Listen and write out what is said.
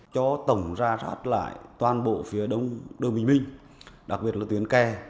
cho tổng ra rát lại toàn bộ phía đông đông bình minh đặc biệt là tuyến kè